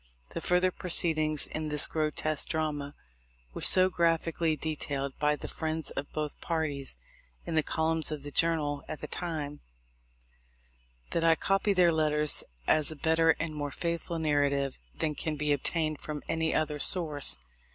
The fur ther proceedings in this grotesque drama were so graphically detailed by the friends of both parties in the columns of the Journal at that time, that I copy their letters as a better and more faithful narrative than can be obtained from any other source.